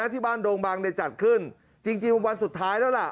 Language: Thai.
โดงบังจัดขึ้นจริงวันสุดท้ายแล้วล่ะ